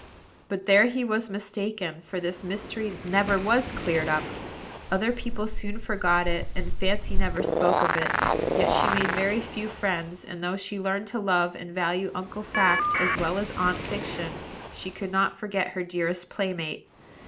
But there he was mistaken; for this mystery never was cleared up. Other people soon forgot it, and Fancy never spoke of it; yet she made very few friends, and, though she learned to love and value Uncle Fact as well as Aunt Fiction, she could not forget her dearest playmate.